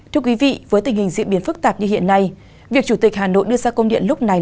thưa quý vị với tình hình diễn biến phức tạp như hiện nay việc chủ tịch hà nội đưa ra công điện lúc này